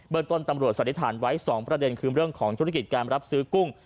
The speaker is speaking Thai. ต้นตำรวจสันนิษฐานไว้๒ประเด็นคือเรื่องของธุรกิจการรับซื้อกุ้ง